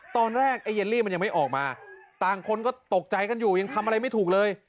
ไอ้เยลลี่มันยังไม่ออกมาต่างคนก็ตกใจกันอยู่ยังทำอะไรไม่ถูกเลย